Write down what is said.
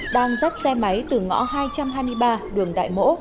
đang dắt xe máy từ ngõ hai trăm hai mươi ba đường đại mỗ